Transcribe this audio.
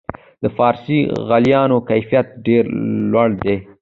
د فارسي غالیو کیفیت ډیر لوړ دی.